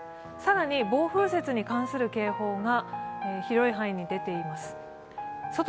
更に暴風雪に関する警報が広い範囲に出ています。